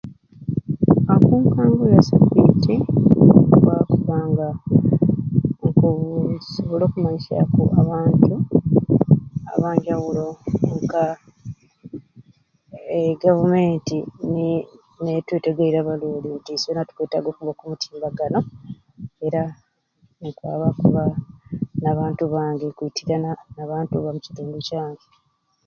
Oku mango ya sabiiti nkwaba kuba nga kuu nkusobola okumanyisyaku abantu abanjawulo nka e government ne netutegeire abaruuli iswena tukwetaga okuba oku mutimbagano era nkwaba kubakoba nabantu bange kubaitirana nabantu bange